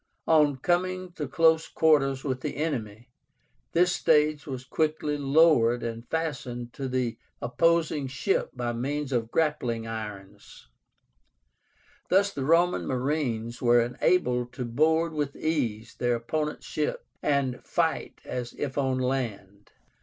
On coming to close quarters with the enemy, this stage was quickly lowered and fastened to the opposing ship by means of grappling irons; thus the Roman marines were enabled to board with ease their opponents' ship, and fight as if on land.